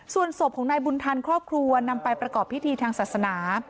ส่วนศพของนายบุญทันครอบครัวนำไปประกอบพิธีทางศาสนา